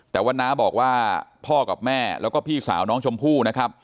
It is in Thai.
แต่ว่าน้าบอกว่าพ่อกับแม่แล้วก็พี่สาวน้องชมพู่นะครับ